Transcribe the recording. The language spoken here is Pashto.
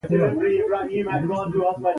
د جنوبي اسيا د محکومو قومونو د حق لپاره.